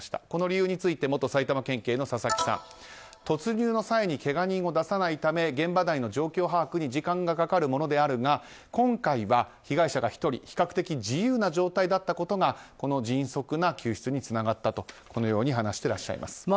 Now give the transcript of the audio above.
この理由について元埼玉県警の佐々木さん突入の際にけが人を出さないため現場内の状況把握に時間がかかるものであるが今回は被害者が１人比較的、自由な状態だったことがこの迅速な救出につながったと話していらっしゃいます。